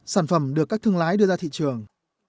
sản phẩm được các thương lái đưa ra thị trường